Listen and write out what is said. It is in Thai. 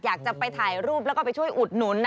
อยากจะไปถ่ายรูปแล้วก็ไปช่วยอุดหนุน